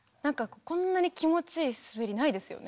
こんなに気持ちいい滑りないですよね。